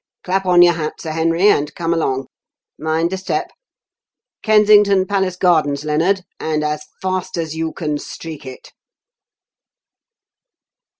Clap on your hat, Sir Henry, and come along. Mind the step! Kensington Palace Gardens, Lennard and as fast as you can streak it."